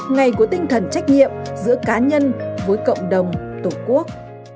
ngày của tinh thần trách nhiệm giữa cá nhân với cộng đồng tổ quốc